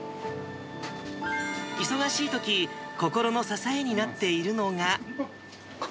忙しいとき、心の支えになっているのが。